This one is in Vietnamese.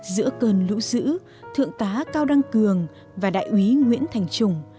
giữa cơn lũ dữ thượng tá cao đăng cường và đại úy nguyễn thành trùng